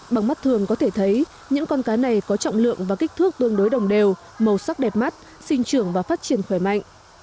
bằng mắt thường có thể thấy những con cá này có trọng lượng và kích thước tương đối đồng đều màu sắc đẹp mắt sinh trưởng và phát triển khỏe mạnh